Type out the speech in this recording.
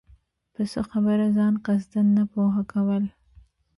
په څۀ خبره ځان قصداً نۀ پوهه كول